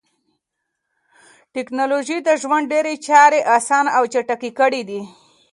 ټکنالوژي د ژوند ډېری چارې اسانه او چټکې کړې دي.